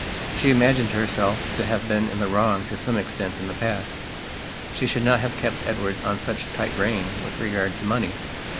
She imagined herself to have been in the wrong to some extent in the past. She should not have kept Edward on such a tight rein with regard to money.